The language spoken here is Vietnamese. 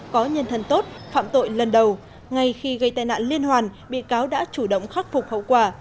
có nhân thân tốt phạm tội lần đầu ngay khi gây tai nạn liên hoàn bị cáo đã chủ động khắc phục hậu quả